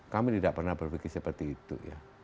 kami tidak pernah berpikir seperti itu ya